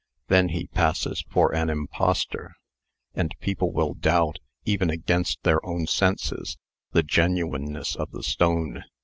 Then he passes for an impostor, and people will doubt, even against their own senses, the genuineness of the stone.